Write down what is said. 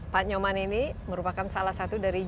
pak nyoman ini merupakan salah satu dari